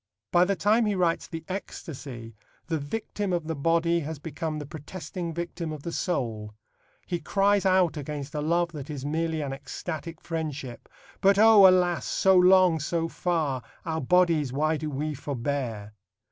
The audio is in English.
By the time he writes The Ecstasy the victim of the body has become the protesting victim of the soul. He cries out against a love that is merely an ecstatic friendship: But O alas, so long, so far, Our bodies why do we forbear?